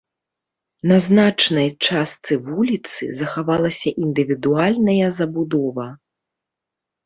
На значнай частцы вуліцы захавалася індывідуальная забудова.